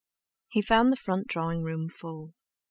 He found the front drawing room full.